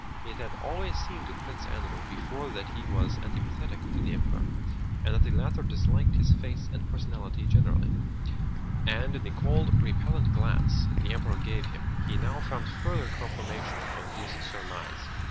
It had always seemed to Prince Andrew before that he was antipathetic to the Emperor and that the latter disliked his face and personality generally, and in the cold, repellent glance the Emperor gave him, he now found further confirmation of this surmise.